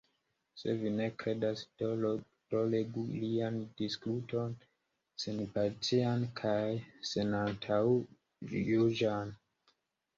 Se vi ne kredas, do legu lian diskuton senpartian kaj senantaŭjuĝan.